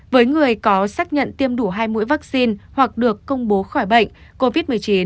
với người có xác nhận tiêm đủ hai mũi vaccine hoặc được công bố khỏi bệnh covid một mươi chín